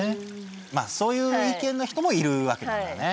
まあそういう意見の人もいるわけなんだね。